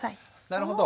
なるほど。